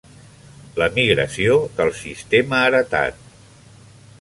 La migració del sistema heretat.